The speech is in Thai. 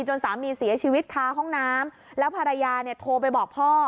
จนสามีเสียชีวิตคาห้องน้ำแล้วภรรยาเนี่ยโทรไปบอกพ่อ